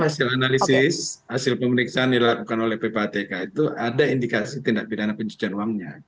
hasil analisis hasil pemeriksaan dilakukan oleh ppatk itu ada indikasi tindak pidana pencucian uangnya